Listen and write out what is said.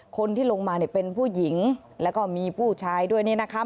คนที่ลงมาเนี่ยเป็นผู้หญิงแล้วก็มีผู้ชายด้วยเนี่ยนะคะ